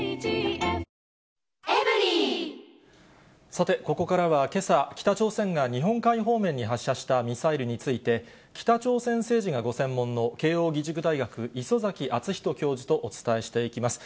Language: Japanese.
さて、ここからは、けさ、北朝鮮が日本海方面に発射したミサイルについて、北朝鮮政治がご専門の慶応義塾大学、礒崎敦仁教授とお伝えしていきます。